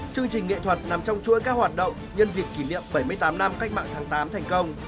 chương trình nghệ thuật nằm trong chuỗi các hoạt động nhân dịp kỷ niệm bảy mươi tám năm cách mạng tháng tám thành công